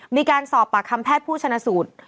มีการสอบปากคำแพทย์ผู้ชนะสูตร